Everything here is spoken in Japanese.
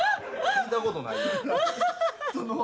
聞いたことない。